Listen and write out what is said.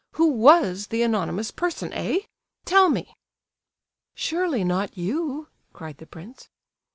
Who was the anonymous person, eh? Tell me!" "Surely not you?" cried the prince.